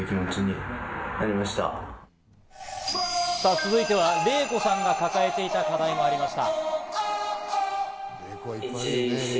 続いてはレイコさんが抱えていた課題がありました。